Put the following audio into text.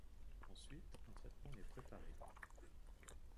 Ensuite, un traitement est préparé.